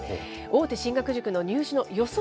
大手進学塾の入試の予想